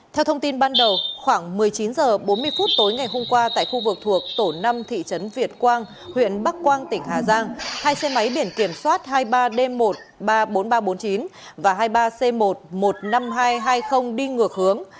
theo thông tin ban đầu khoảng một mươi chín h bốn mươi phút tối ngày hôm qua tại khu vực thuộc tổ năm thị trấn việt quang huyện bắc quang tỉnh hà giang hai xe máy biển kiểm soát hai mươi ba d một trăm ba mươi bốn nghìn ba trăm bốn mươi chín và hai mươi ba c một trăm một mươi năm nghìn hai trăm hai mươi đi ngược hướng